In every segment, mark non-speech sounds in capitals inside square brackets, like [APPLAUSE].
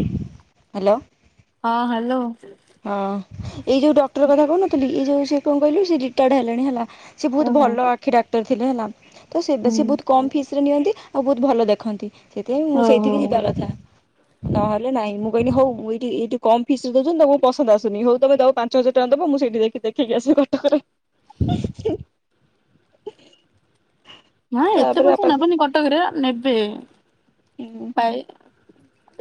Hello. ହଁ hello. ହଁ ଏଇ ଯୋଉ ଡକ୍ଟର କଥା କହୁନଥିଲି ଏଇ ଯୋଉ ସେ କଣ କହିଲୁ ସେ ରିଟାୟାର୍ଡ ହେଲାଣି ହେଲା। ସେ ବହୁତ ଓହୋ ଭଲ ଆଖି ଡାକ୍ତର ଥିଲେ ହେଲା ତ ସେ ହୁଁ ସେ ବହୁତ କମ ଫିସ ରେ ନିଅନ୍ତି। ଆଉ ବହୁତ ଭଲ ଦେଖନ୍ତି ସେଥିପାଇଁ ମୁଁ ଓହୋ ସେଇଠିକି ଯିବା କଥା। ନହେଲେ ନାଇଁ ମୁଁ କହିଲି ହଉ ଏଇଠି ଏଇଠି କମ ଫିସରେ ଦଉଛନ୍ତି ତ ପସନ୍ଦ ଆସୁନି ହଉ ତମେ ଯାଅ ପାଞ୍ଚ ହଜାର ଟଙ୍କା ଦବ ମୁଁ ସେଇଠି ଯାଇକି ଦେଖେଇକି ଆସିବି କଟକରେ। ଉଁହୁଁ। [INAUDIBLE] ମା ଏତେ ତାପରେ ପଇସା ବାପାକୁ ନବନି କଟକରେ ନେବେ ହୁଁ ପାଏ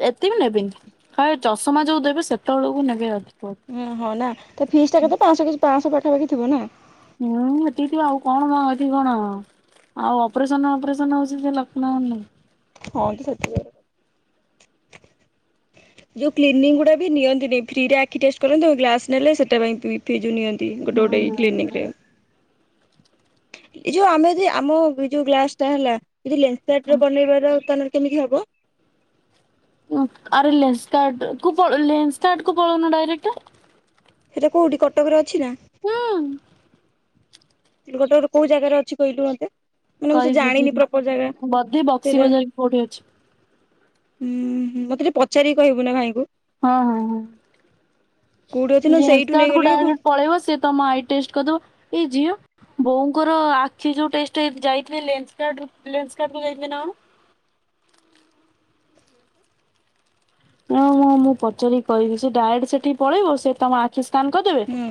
ଏତେବି ନେବେନି କାଳେ ଚଷମା ଯୋଉ ଦେବେ ସେତେବେଳକୁ ନେବେ ଅଧିକ। ହଁ ହଁ ନା ଫିସ୍ ଟା କେତେ ପାଞ୍ଚଶହ କି ପାଞ୍ଚଶହ ପାଖାପାଖି ଥିବ ନା? ହୁଁ ହେଟିକି ଥିବ ଆଉ କଣ ମ ଏଥି କଣ? ଆଉ ଅପରେସନ ଅପରେସନ ହଉଛି ଯେ ସେ [UNINTELLIGIBLE] ହଁ ତ ସେଥିକିରେ ଯଉ କ୍ଲିନିକ ଗୁଡ଼ା ବି ନିଅନ୍ତିନି ଫ୍ରୀ ରେ ଆଖି ଟେଷ୍ଟ କରନ୍ତି ଆଉ ଗ୍ଲାସ୍ ନେଲେ ସେଟା ପାଇଁ ଫି ଜଉ ନିଅ ନ୍ତି ଗୋଟେ ଗୋଟେ କ୍ଲିନିକରେ। ଏଇ ଯୋଉ ଆମେ ଯଦି ଆମ ଯୋଉ ଗ୍ଲାସ ଟା ହେଲା ଯଦି ଲେନ୍ସକାର୍ଟ ବନେଇବାର ଦୁକାନରେ କେମିତି ହବ? ଆରେ ଲେନ୍ସକାର୍ଟ କୁ ପ ଲେନ୍ସକାର୍ଟ କୁ ପଳଉନୁ ଡାଇରେକ୍ଟ। ହେରା କୋଉଠି କଟକ ରେ ଅଛି ନା? ହଁ। କଟକ ର କୋଉ ଜାଗାରେ ଅଛି କହିଲୁ ମୋତେ? ମାନେ ମୁଁ ସେ କହିବୁ ଜାଣିନି ବୁଝିକି ପ୍ରପର ଜାଗା ବଧେ ବକ୍ସି ସେଇଟା। ବଜାର କି କୋଉଠି ଅଛି ହମ୍ ହମ୍ ମତେ ଟିକେ ପଚାରିକି କହିବୁ ନା ଭାଇଙ୍କୁ? ହଁ ହଁ କୋଉଠି ଅଛି ହଁ ନା ସେଇଠୁ ଲେନ୍ସ କାର୍ଟ କୁ ନେଇଗଲେ ବି ଭ ଡାଇରେକ୍ଟ ପଳେଇବ ସେ ତମ ଆଇ ଟେଷ୍ଟ କରିଦବ ଏ ଝିଅ ବୋଉଙ୍କର ଆଖି ଯୋଉ ଟେଷ୍ଟ ହେ ଯାଇଥିଲେ ଲେନ୍ସ କର୍ଟ ରୁ ଲେନ୍ସ କର୍ଟ କୁ ଯାଇଥିଲେ ନା କଣ? ହଁ ହଁ ମୁଁ ପଚାରି କି କହିବି ସେ ଡାଇରେକ୍ଟ ସେଠି ପଳେଇବ ସେ ତମ ଆ ଖି ସ୍କାନ କରିଦେବେ ହୁଁ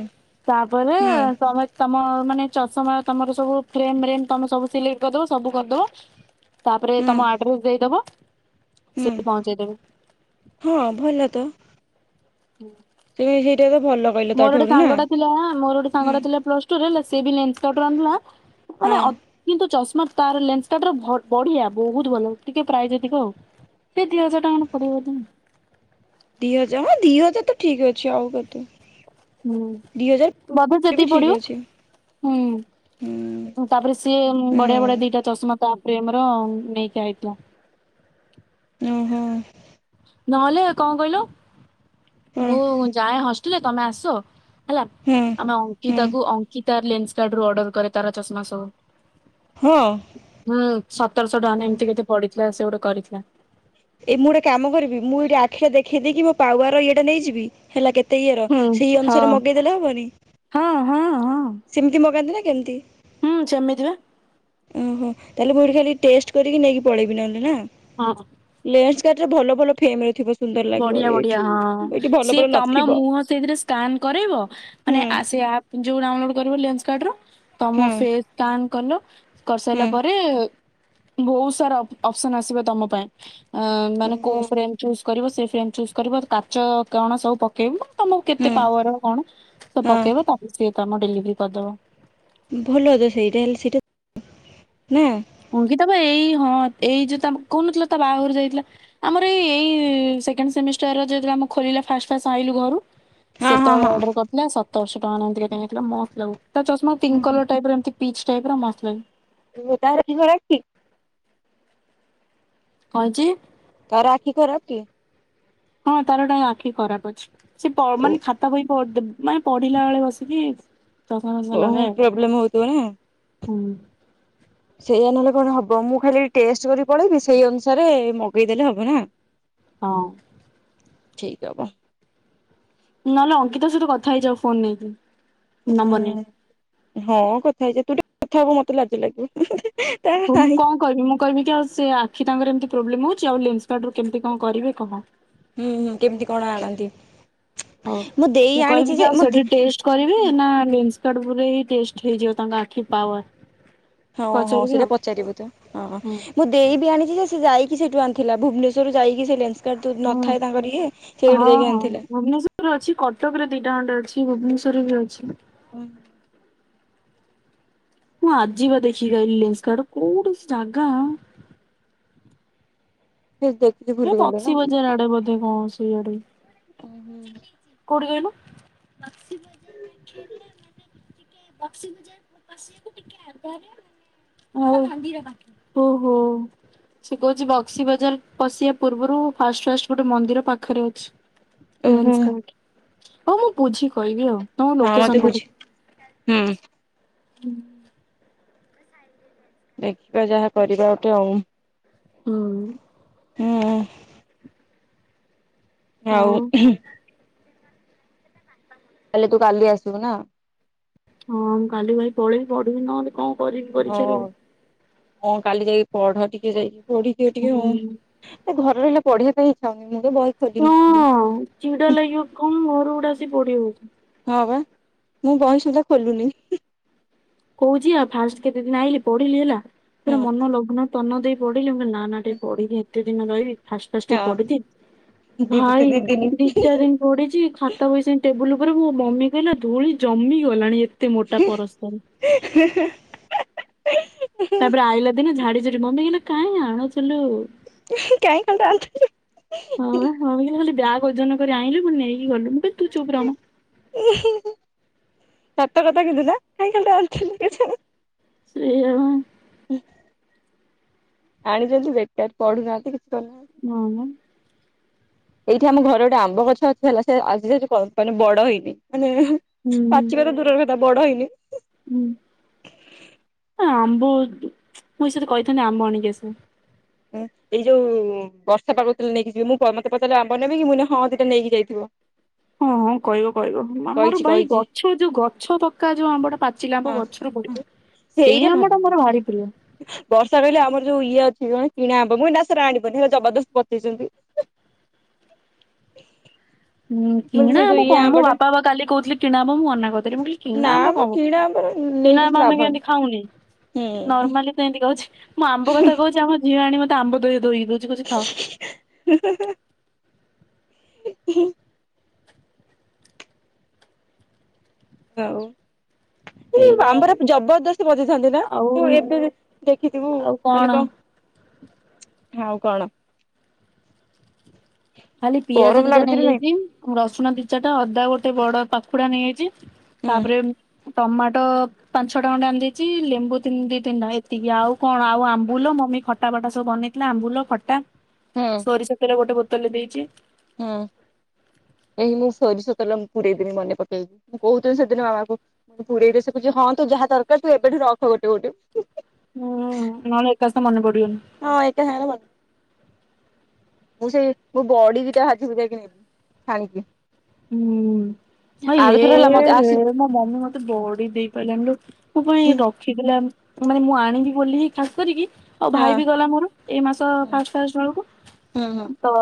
ତାପରେ ହୁଁ ତମେ ତମ ମାନେ ଚଷମା ତମର ସବୁ ଫ୍ରେମ ରେମ୍ ତମେ ସବୁ ସିଲେକ୍ଟ କରିଦବ ସବୁ କରିଦବ। ତାପରେ ହୁଁ ତମ ଆଡ୍ରେସ ଦେଇଦବ ହୁଁ ସେଠି ପହଞ୍ଚେଇଦବେ। ହଁ ଭଲ ତ। ହୁଁ। [UNINTELLIGIBLE] ସେଇଟା ତ ଭଲ। କହିଲ ମୋର ଗୋଟେ ତାଠୁରୁ ନା ସାଙ୍ଗ ଟା ଥିଲା ଆ ମୋର ଗୋଟେ ହୁଁ ସାଙ୍ଗା ଥିଲା ପ୍ଲସ ଟୁରେ ହେଲା ସେ ବି ଲେନ୍ଟ କାର୍ଟ ରୁ ଆଣୁଥିଲା। ହଁ ମାନେ ଅ କିନ୍ତୁ ଚଶମା ତାର ଲେନ୍ସ ତା ଠାରୁ ବ-ବଢିଆ ବହୁତ ଭଲ ଟିକେ ପ୍ରାଇଜ୍ ଅଧିକ ଆଉ ସେ ଦି ହଜାର ଟଙ୍କା ପଡିବ ବଦେ। ଦି ହଜାର ହଁ ଦି ହଜାର ତ ଠିକ୍ ଅଛି ଆଉ କେତେ। ହୁଁ ଦି ହଜାର ବଜେଟ୍ ଏବେ ବି ଯେତିକି ଠିକ ପଡିବ ଅଛି ହୁଁ। ତାପରେ ସିଏ ହୁଁ ବଢିଆ ବଢିଆ ଦିଟା ଚଷମା ତା ପ୍ରେମର ନେଇକି ଆଇଥିଲ। ଓହୋ। ନହେଲେ କଣ କହିଲ ହଁ ମୁଁ ଯାଏ ହଷ୍ଟେଲ ତମେ ଆସ। ହେଲା ହୁଁ ଆମେ ଅଙ୍କିତାକୁ ଅଙ୍କିତାର ଲେନ୍ସ କାର୍ଡ ରୁ ଅର୍ଡର କରେ ତାର ଚାଷମା ସବୁ। ହୁଁ ହୁଁ ସତରଶ ଟଙ୍କା ହଁ ନା ଏମିତି କେତେ ପଡିଥିଲା ସେ ଗୋଟେ କରିଥିଲା। ଏଇ ମୁଁ ଗୋଟେ କାମ କରିବି ମୁଁ ଏଇଠି ଆଖି ଟା ଦେଖେଇ ଦେଇକି ମୋ ପାୱାର ଇଏ ଟା ନେଇଯିବି। ହେଲା କେତେ ଇଏର ହୁଁ ସେଇ ହଁ ଅନୁସାରେ ମଗେଇଦେଲେ ହବନି। ହଁ ହଁ ହଁ। ସେମିତି ମଗାନ୍ତି ନା କେମିତି। ହୁଁ ସେମିତିି ବା। ଓହୋ ତାହେଲେ ମୁଁ ଏଇଠି ଖାଲି ଟେଷ୍ଟ କରିକି ନେଇକି ପଳେଇବି ନହେଲେ ନା। ହଁ। ଲେନ୍ସ କାଟ ରେ ଭଲ ଭଲ ଫ୍ରେମ୍ ଥିବ। ସୁନ୍ଦର ଲାଗିବ ବଢିଆ ବଢିଆ ଏଇଠି ହଁ ଏଇଠି ଭଲ ସିଏ ଭଲ ତମ ନଥିବ ମୁହଁ ସେଇଥିରେ ସ୍କାାନ କରେଇବ। ମାନେ ହୁଁ ଆ ସେ ଆପ୍। ଯୋଉ ଡାଉନଲୋଡ କରିବ ଲେନ୍ସ କାର୍ଡ ର ତମ ହୁଁ ଫେସ୍ ସ୍କାାନ କଲ କରିସାଇଲା ହୁଁ ପରେ। ବହୁତ୍ ସାରା ଅପ୍ ଅପସନ୍ ଆସିବ ତମ ପାଇଁ ଆ ମାନେ କୋଉ ଓହୋ ଫ୍ରେମ୍ ଚୁସ୍ କରିବ ସେ ଫ୍ରେମ୍ ଚୁସ୍ କରିବ କାଚ କଣ ସବୁ ପକେଇବ ମାନେ ତମର ହୁଁ କେତେ ପାୱାର କଣ। ହଁ ପକେଇବ ତାପରେ ସିଏ ତମ ଡେଲିଭରି କରିଦବ। ଭଲ ତ ସେଇଟା ହେଲେ ସେଇଟା, ନା। ଅଙ୍ଗିତା ବା ଏଇ ହଁ ଏଇ ଯୋଉ ତା କହୁନଥିଲ ତା ବାହାଘର ଯାଇଥିଲା। ଆମର ଏ ଏଇ ସେକେଣ୍ଡ ସେମିଷ୍ଟାର୍ ର ଯେତେବେଳେ ଆମର ଖୋଲିଲା ଫାଷ୍ଟ ଫାସ୍ ଆଇୁଲୁ ଘରୁ। ହଁ ହଁ ସେତବେଳେ ହଁ ଅର୍ଡର କରିଥିଲା ସତରଶ ଟଙ୍କାନା ଏମିତି କେତେ ନେଇଥିଲା ମସ୍ତ୍ ଲାଗୁ୍ଚି ତା ଚସ୍ମା ପିଙ୍କ୍ କଲର ହୁଁ ଟାଇପର ଏମତି। ପିଚ୍ ଟାଇପ ର ମସ୍ତ୍ ଲାଗେ। ମୁଁ ତାର ଖି ଖରାପକି। କଁ ହେଇଚି? ତାର ଆଖି ଖରାପ କି? ହଁ ତାର ଗୋଟେ ଆଖି ଖରାପ ଅଛି ସେ ପ ଓ ମାନେ ଖାତା ବହି ପଦ ବ୍ ମାନେ ପଢିଲା ବେଳେ ବସିକି ଚଷମା ଫସମା ଓହୋ ଲଗାଏ। ପ୍ରୋବ୍ଲେମ ହଉଥିବ ନା ହୁଁ। ସେଇଆ ନହେଲେ କଣ ହବ ମୁଁ ଖାଲି ଟେଷ୍ଟ କରି ପଳେଇବି ସେଇ ଅନୁସାରେ ମଗେଇଦେଲେ ହବ ନା। ହଁ। ଠିକ୍ ହବ। ନଏଲେ ଅଙ୍କିତା ସହିତ କଥା ହେଇଯାଓ ଫୋନ ନେଇକି, ନମ୍ବର ନେଇି। ଉଁ ହଁ କଥା ହେଇଯିବା ତୁ ଟିକେ କଥା ହବୁ ମତେ ଲାଜ ଲାଗିବ। ତା ହଉ ମୁଁ ହାଇ କଁ କଇବି ମୁଁ କହିବି କି ଆଉ ସେ ଆଖି ତାଙ୍କର ଏମିତି ପ୍ରୋବ୍ଲେମ ହଉଚି ଆଉ ଲେନ୍ସ କାଡ୍ ରୁ କେମତି କଁ କରିବେ କହ? ହୁଁ ହୁଁ କେମିତି କଣ ଆଣନ୍ତି ହଉ। ମୋ ଦେଇ ମୁଁ କହିବି ଆଣିଛି କି ଯେ ଆଉ ମୋ ଦେ ସେଠି ଟେଷ୍ଟ କରିବେ ନା ଲେନ୍ସ କାଡ୍ କୁ ଯାଇ ଟେଷ୍ଟ୍ ହେଇଯିବ ତାଙ୍କ ଆଖି ପାୱାର। ହଁ ହଁ ପଚାରିବି ସେଟା ଆଉ ପଚାରିବୁତ, ହଁ। ହୁଁ ମୋ ଦେଇ ବି ଆଣିଚିଯେ ସେ ଯାଇକି ସେଠୁ ଆଣିଥିଲା ଭୁବନେଶ୍ୱରରୁ ଯାଇକି ସେ ଲେନ୍ସ କାର୍ଟ ହୁଁ ନଥାଏ ତାଙ୍କର ଇଏ ସେଇଠୁ ଯାଇଁକି ଆଣିଥିଲା। ରେ ଅଛି କଟକରେ ଦିଟା ଖଣ୍ଡେ ଅଛି ଭୁବନେଶ୍ୱରରେ ବି ଅଛି। ହୁଁ। ମୁଁ ଆଜିି ବା ଦେଖିକି ଆଇଲି ଲେନ୍ସ କାଡ୍, କୋଉଠି ସେ ଜାଗା? [UNINTELLIGIBLE] ହେ ଗଲେ ନା ବକ୍ସି ବଜାର ଆଡେ ବୋଧେ ହଁ ସେଇଆଡେ। କୋଉଠି କହିଲୁ। [UNINTELLIGIBLE] ଆଉ ଓ ହୋ। ସେ କହୁଚି ବକ୍ସି ବଜାର ପଶିବା ପୂର୍ବରୁ ଫାଷ୍ଟ ଫାଷ୍ଟ ଗୋଟେ ମନ୍ଦିର ପାଖରେ ଅଛି। ଓହୋ ଲେନ୍ସକର୍ଟ ହଉ ମୁଁ ବୁଝିକି କହିବି ଆଉ ତମକୁ ହଁ ମତେ ଲୋକେସନ ବୁଝି ପ ହୁଁ। ହୁଁ। ଦେଖିବା ଯାହା କରିବା ଗୋଟେ ଆଉ। ଉଁ। [UNINTELLIGIBLE] ଆଉ ତାଏଲେ ତୁ କାଲି ଆସିବୁ ନା। ହଁ ମୁଁ କାଲି ଭାଇ ପଳେଇବି ପଢିବି ନହେଲେ କଁ ହ, ହଁ କାଲି ଯାଇକି ପଢ ଟିକେ ଯାଇକି ପଢିଦିଅ ଟିକେ ହୁଁ ଅ। ସେ ଘର ରହିଲେ ପଢିବା ପାଇଁ ଇଚ୍ଛା ହଉନି ମୋର ବହି ହଁ ଖୋଲିନି ସେମିତି। ଚିଡ ଲାଗିବ କଁ ଘରୁକୁ ଗୋଟେ ଆସିିକ ପଢିବୁ। ହଁ ବା ମୁଁ ବହି ସୁଦ୍ଧା ଖୋଲୁନି। କହୁଚି ଆ ଫାଷ୍ଟ କେତେଦିନ ଆଇିଲି ପଢିଲି ହେଲା ହୁଁ ପୁରା ମନ ଲଗ୍ନ ତନ ଦେଇ ପଢିଲି ମୁଁ କଇଲି ନା ନା ଟିକେ ପଢ଼ିଦିଏ ଏତେ ଦିନ ରହିବି ଫାଷ୍ଟ ଫାଷ୍ଟ ହଁ ପଢିଦିଏ ଦିଦି ଦି ଭାଇ ଦିନି ଦି ଚାରି ଦିନ ପଡିଛି ଖାତା ବହି ସେ ଟେବୁଲ ଉପରେ ମୋ ମମି କହିଲ ଧୂଳି ଜମି ଗଲାଣି। ଟି ମୋଟା ପର [UNINTELLIGIBLE] ତାପରେ ଆଇଲା ଦିନ ଝାଡିଝଡି ମମି ହେଲା କାଇଁ ଆଣୁଚୁ ଲୋ। କାଇଁ ଖାଲିଟାରେ ଆଣୁଚୁ ଲୋ ହଁ କଇଲି ଖାଲି ବ୍ୟାଗ୍ ଓଜନ କରି ଆଣିଲୁ ପୁଣି ନେଇକି ଗଲୁ ମୁଁ କଇଲି ତୁ ଚୁପ ର ମ। ସତ କଥା କିନ୍ତୁ ନା କାଇଁ ଖାଲି ଟା ଆଣୁଛନ୍ତି କେଜାଣି। ସେଇଆ ବା। ଆଣିଛନ୍ତି ବେକାର ପଢୁନାହାନ୍ତି କିଛି କରିନାହାନ୍ତି। ହଁ ବା। ଏଇଠି ଆମ ଘରେ ଗୋଟେ ଆମ୍ବ ଗଛ ଅଛି ହେଲା ସେ ଆଜି ସେ କମ୍ପାନୀ ବଡ ହେଇନି ମାନେ ହୁଁ ପାଚିବାର ଦୂରର କଥା ବଡ ହେଇନି। ହୁଁ ଆମ୍ବ ମୁଇ ସତ କହିଥାନ୍ତି ଆମ୍ବ ଆଣିକି ଆସେ। ହୁଁ ଏଇ ଯୋଉ ବର୍ଷା [UNINTELLIGIBLE] ନେଇକି ଯିବି ମୁଁ ମତେ ପଚାରିଲେ ଆମ୍ବ ନେବି କି ମୁଁ କଇଲି ହଁ ସେଟା ନେଇକି ଯାଇଥିବ। ହଁ ହଁ କହିବ କହିବ ଆମର କହିଛି ଭାଇ କହିଛି ଗଛ ଯୋଉ ଗଛ ପକା ଯୋଉ ଆମ୍ବଟା ପାଚିଲା ଆବ ହଁ ଗଛରୁ ପଡି ସେଇ ସେଇଟା ଭଲ। ଆମ୍ୱ ଟା ମୋର ଭାରି ପ୍ରିୟ। ବର୍ଷା କହିଲେ ଆମର ଯୋ ଇଏ ଅଛି କଣ କିଣା ଆମ୍ୱ ମୁଁ ନା ସେରା ଆଣିବନି ହେ ଜବରଦସ୍ତ୍ ପଚୋଉଚନ୍ତି। ହୁଁ ମୁଁ କହିଲି କିଣା ସେ ଯୋଉ ଆମ୍ବ ଇଏ କଣ ମୋ ଆମ୍ବଟା ବାପା ବା କାଲି କହୁଥିଲେ କିଣା ଆମ୍ବ ମୁଁ ମନା କଦେଲି ମୁଁ କାଇଲି ନା କିଣା ଆମ୍ୱ ମ କଣ ଅବ। କିଣା ଆମ୍ବ କିଣା ଆମେ କେମିତି ଖାଉ ହୁଁ। ସେମତି କହୁଛି ମୁ ଆମ୍ବ କଥା କହୁଚି ଆମ ଝିଅ ଆଣି ମତେ ଆମ୍ବ ଦି ଧୋଇ ଦଉଛି କହୁଚି ଖାଓ। [UNINTELLIGIBLE] ହୁଁ ହଉ ଏଇଆ ଆମ୍ବ ଗୁରା ଜବରଦସ୍ତି ପଚୋଉଛନ୍ତି ନା ଆଉ [UNINTELLIGIBLE] ଦେଖିଥିବୁ ଆଉ କଣ ମାନେ କ ହଉ କଣ? ଖାଲି ପିଆଜ ଗରମ ଦିଟା ଲାଗୁଛି କି ନାଇଁ ନେଇଯାଇଚି ରସୁଣ ଦିଚା ଟା ଅଦା ଗୋଟେ ବଡ କୁକୁଡ଼ା ନେଇଯାଇଚି ହୁଁ ତାପରେ ଉମ୍ ଟମାଟୋ ପାଞ୍ଚ ଛ ଟଙ୍କା ଟାଣି ଦେଇଚି ଲେମ୍ବୁ ଦି ତିନି ଟଙ୍କା ଏ ଟିକେ ଆଉ କଣ ଆଉ ଆମ୍ବୁଲ ମମି ଖଟା ଫଟା ସବୁ ବନେଇଥିଲା ଆମ୍ବୁଲ ଖଟା। ହୁଁ ସୋରିଷ ତେଲ ଗୋଟେ ବୋତଲ ରେ ଦେଇଚି। ହଁ। ଏଁ ମୁଁ ସରିଷ ତେଲ ପୁରେଇ ମନେପକେଇକି ମୁଁ କହୁଥିଲି ସେଦିନ [UNINTELLIGIBLE] ମୁଁ ପୁରେଇ ରଖୁଛି ହଁ ତୁ ଯାହା ଦରକାର ତୁ ଏବେଠୁ ରଖ ଗୋଟେ ଗୋଟେ। ହୁଁ ନହେଲେ ଏକାସ ମନେ ପଡିବନି। ହଁ ଏଇଟା [UNINTELLIGIBLE] ମୁଁ ସେଇ ମୁଁ ବଡି ଦିଇଟା ଭାଜି ଭୂଜାକି ନେବି ଛାଣିକି। ହୁଁ। ଆଁ ହେ ଆରଥର ହେଲା ମତେ ହେ ଆସି ମୋ ମମି ମତେ ବଡି ଦେଇ ପାଇଲାନି ଯେ ମୋ ପାଇଁ ର ଥିଲା ମାନେ ମୁଁ ଆଣିବି ବୋଲି ଖାସ କରିକି ଆଉ ଭାଇ ହଁ ବି ଗଲା ମୋର ଏଇ ମାସ ଫାଷ୍ଟ ଫାଷ୍ଟ ବେଳକୁ। ହୁଁ ହୁଁ ତ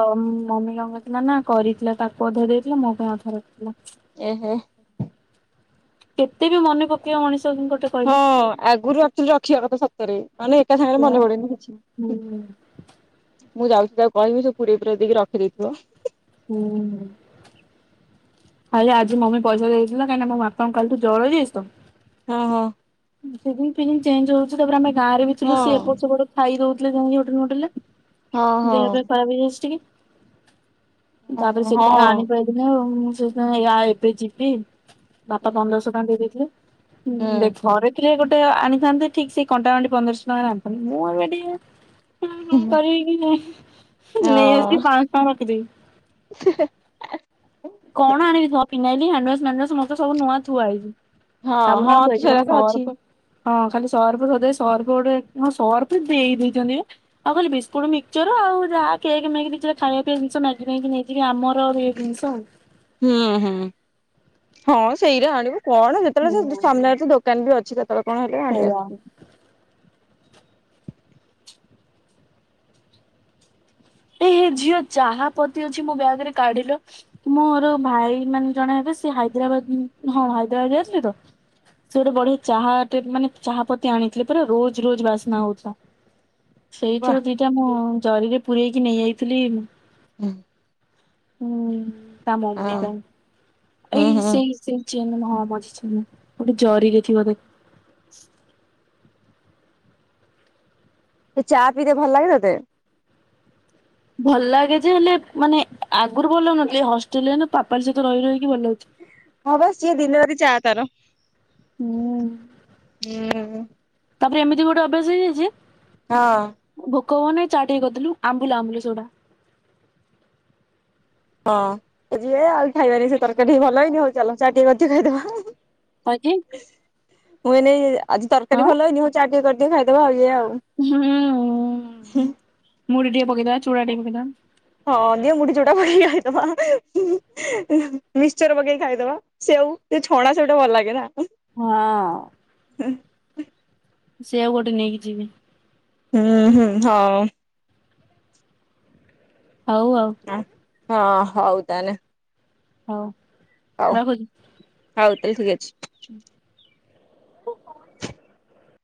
ମମି କଣ କରଥିଲା ନା କରିଥିଲା ତାକୁ ଅଧା ଦେଇଥିଲା ମୋ ପାଇଁ ଅଧା ରଖିଥିଲା। ଏ ହେ। କେତେ ବି ମନେ ପକେଇବ ମଣିଷ ଗୋଟେ। କହିଲ। ହଁ ଆଗରୁ ଆକଚୁଆଲି ରଖିବା କଥା ସତରେ ମାନେ ଏକା ସାଙ୍ଗରେ ହୁଁ ମନେ ପଡେନି କିଛି। ମୁଁ ଯାଉଛିି ତାକୁ କହିବି ସେ ପୁରେଇ ପୁରା ଦେଇକି ରଖିଦେଇଥିବ। ହୁଁ ହୁଁ। ଆଜି ମମି ପଇସା ଦେଇଥିଲା କାହିଁକ ନା ମୋ ବାପା କାଲି ଠୁ ଜର ହେଇଯାଇଛି ତ। ହଁ ହଁ। ସିଜିନି ଫିଯିନି ଚେଞ୍ଜ ହଉଛି ତାପରେ ଆମେ ଗଁରେ ବି ଥିଲୁ ହଁ ସେ ଏପଟ ସେପଟ ଖାଇ ଦଉଥିଲେ ଯାଇକି ହୋଟେଲ ହଁ ଫୋଟେଲରେ ହଁ ଦେହ ପା ଖରାପ ହେଇଯାଇଛି ଟିକେ ତାପରେ ହଁ ସେଥିପାଇଁ ହଁ ଆଣି ପାରିଲିନ ଆ ସେଥିପାଇଁ ୟା ଏବେ ଯିବି ବାପା ହୁଁ ପନ୍ଦରଶହ ଟଙ୍କା ଦେଇ ଦେଇଥିଲେ ହୁଁ ଘରେ ରେ ଗୋଟେ ଆଣିଥାନ୍ତେ ଠିକ ସେ କଣ୍ଟା ବାଣ୍ଡି ପନ୍ଦରଶହ ଟଙ୍କାରେ ଆଣିଥାନ୍ତି ମୁଁ ଏ ଟିକେ ହଁ ହଁ କରିବ ନେଇ ଅଜି ପାଞ୍ଚ ପା ରକ ଦେଇ ହ କଣ ଆଣିବି ଫିନାଇଲି ହାଣ୍ଡ ୱାଷ ମାଡ଼ ୱାଷ ଆମର ତ ସବୁ ନୁଆଁ ଥୁଆ ହେଇଚି। ହଁ ସାବୁନ ହଁ ତ ଏଇଠି ଖାଲି ସେରାକ ଅଛି ସରଫ ହଁ ଖାଲି ସର୍ଫ ସଦା ସର୍ଫ ଗୋଟେ ହଁ ସର୍ଫ ଦେଇ ଦେଇଛନ୍ତି ଆଉ କହିଲ ବିସ୍କୁଟ ମିକ୍ସର ଆଉ ଯାହା ଖାଇବା ପିଇବା ଜିନିଷ ମ୍ୟାଗି ନେଇ ଆମର ଏ ଜିନିଷ ଆଉ ହୁଁ ହୁଁ ହଁ ସେଇରେ ଆଣିବୁ କଣ ଯେତେବେଳେ ସେ ହୁଁ। ସାମ୍ନାରେ ତ ଦୋକାନ ବି ଅଛି ତ କେତେବେଲେ କଣ ହେଲେ ଆଣି ସେଇଆ ଆସୁନି। ଏ ହେ ଝିଅ ଚାହା ପତି ଅଛି ମୋ ବ୍ୟାଗ ରେ କାଢିଲ। ମୋ ମୋର ଭାଇ ମାନେ ଜଣ ହେବେ ସ ହାଇଦ୍ରାବାଦ ହଁ ହାଇଦ୍ରାବାଦ ଯାଇଥିଲେ ତ ସେ ଗୋଟେ ବଢିଆ ଚାହା ମାନେ ଚାହା ପତି ଆଣିଥିଲେ ପୁରା ରୋଜ ରୋଜ ବାସ୍ନା ହଉଥିଲା। ହଁ ସେଇଥିର ଦିଟା ମୁଁ ଜରିରେ ପୂରେଇକି ନେଇଯାଇଥିଲି। ହୁଁ ହୁଁ ତା ମମି ତା ହୁଁ ଏଇ ସେଇ ହୁଁ। ସେଇ ସେଇ ଚେନ ହଁ ମଝି ଚେନ ଗୋଟେ ଜରି ରେ ଥିବ ଦେଖ। ସେ ଚା ପିଇଲେ ଭଲ ଲାଗେ ତତେ? ଭଲ ଲାଗେ ଯେ ହେଲେ ମାନେ ଆଗରୁ ଭଲ ହଉନଥିଲେ ହଷ୍ଟେଲରେ ପାପାଲି ସହିତ ରହି ରହିକି ଭଲ ହଉଛି। ହଁ ବା ସିଏ ଦିନ ରାତି ଚା ତାର ହୁଁ ହୁଁ ତାପରେ ଏମିତି ଗୋଟ ଅ୍ୟାସ ହେଇଯାଇଛି ହଁ ଭୋକ ହବନେଇ ଚା ଟିକେ କରିଦଲୁ ଆମ୍ବୁଲା ଆମ୍ବୁଲ ସେଟା। ହଁ ଯିବେ ଆଉ ଖାଇବନି ସେ ତରକାରୀ ଟ ଭଲ ହେଇନି ହଉ ଚାଲ ଚା ଟିକେ ଖାଇଦବା। [UNINTELLIGIBLE] ମାନେ ଆଜି ତରକାରୀ ହଁ ଭଲ ହେଇନି ହୋଉ ଚା ଟିକେ କରିଦିଏ ଖାଇଦବା ଏଇଆ ଆଉ। ହୁଁ ମୁଡ଼ି ଟେ ପକେଇଦେବା ଚୁଡ଼ା ଟି ପକେଇ ଦେବା। ହଁ ଦିଅ ମୁଢି ଚୂଡ଼ା ପକେଇ ଖାଇଦବା ମିିକ୍ଚର ପକେଇକି ଖାଇଦବା ସେଉ ସେ ଛଣା ସେଉ ଟା ଭଲ ଲାଗେ ନା? ହଁ ହୁଁ ସେଉ ଗୋଟେ ନେଇକି ଯିବି। ହୁଁ ହୁଁ ହଁ। ହଉ ଆଉ। ହଁ ହଉ ତାହାନେ। ହଉ ହଉ ହଉ ତାହେଲେ ଠିକ ଅଛି ହ ଓ